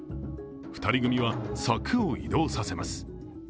２人組は柵を移動させます。